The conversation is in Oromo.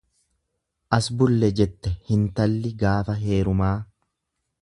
As bulle jette hintalli gaafa heerumaa.